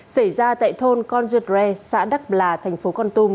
xảy ra tại thôn con giê tre xã đắc bà thành phố con tum